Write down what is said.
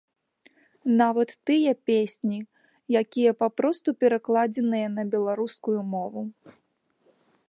Нават тыя песні, якія папросту перакладзеныя на беларускую мову.